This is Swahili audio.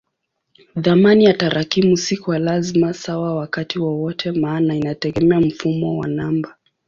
Thamani ya tarakimu si kwa lazima sawa wakati wowote maana inategemea mfumo wa namba.